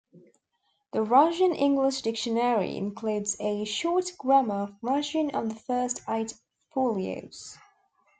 The Russian-English dictionary includes a short grammar of Russian on the first eight folios.